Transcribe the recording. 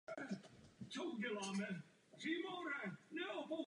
O dva roky později vybojovala na univerziádě v Sofii stříbro.